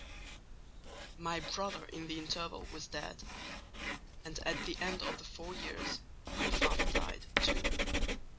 "My brother in the interval was dead, and at the end of the four years my father died too.